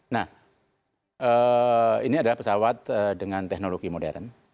nah ini adalah pesawat dengan teknologi modern